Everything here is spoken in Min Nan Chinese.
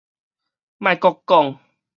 莫閣講